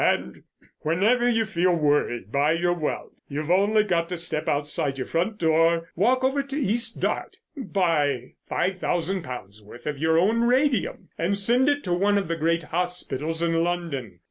"And whenever you feel worried by your wealth, you've only got to step outside your front door, walk over the East Dart, buy five thousand pounds worth of your own radium, and send it to one of the great hospitals in London.